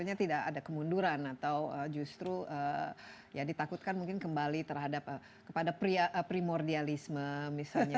misalnya tidak ada kemunduran atau justru ya ditakutkan mungkin kembali terhadap kepada primordialisme misalnya